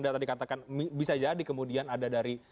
data dikatakan bisa jadi kemudian ada dari